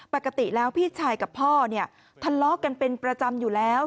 ปกติแล้วพี่ชายกับพ่อเนี่ยทะเลาะกันเป็นประจำอยู่แล้ว